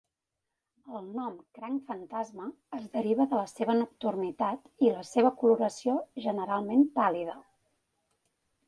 El nom "cranc fantasma" es deriva de la seva nocturnitat i la seva coloració generalment pàl·lida.